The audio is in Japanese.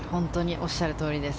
おっしゃるとおりです。